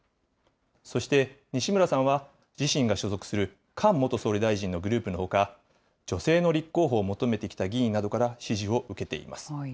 そして西村さんは、自身が所属する菅元総理大臣のグループのほか、女性の立候補を求めてきた議員などから支持を受けています。